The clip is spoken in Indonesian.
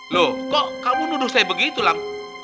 loh kok kamu nuduh saya begitu lah